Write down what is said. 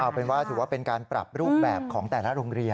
เอาเป็นว่าถือว่าเป็นการปรับรูปแบบของแต่ละโรงเรียน